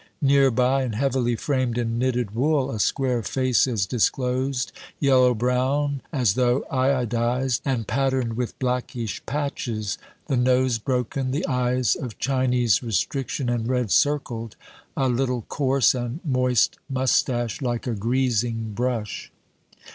Near by, and heavily framed in knitted wool, a square face is disclosed, yellow brown as though iodized, and patterned with blackish patches, the nose broken, the eyes of Chinese restriction and red circled, a little coarse and moist mustache like a greasing brush.